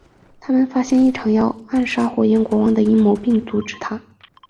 他们发现一场要暗杀火焰国王的阴谋并阻止它。